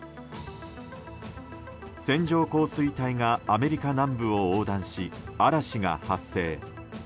線状降水帯がアメリカ南部を横断し嵐が発生。